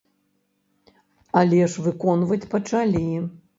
Але ж выконваць пачалі!